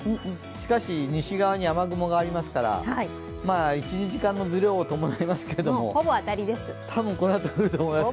しかし、西側に雨雲がありますから１２時間のずれを伴いますけれども、多分このあと降ると思います。